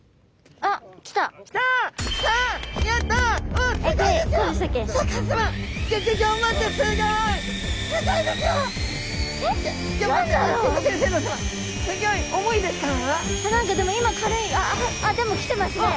ああっあっでも来てますね。